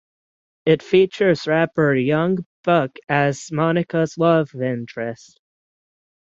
It features rapper Young Buck as Monica's love interest.